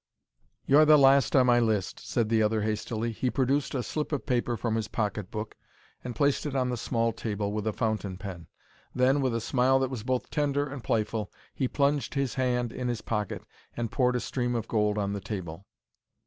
"You're the last on my list," said the other, hastily. He produced a slip of paper from his pocket book and placed it on the small table, with a fountain pen. Then, with a smile that was both tender and playful, he plunged his hand in his pocket and poured a stream of gold on the table.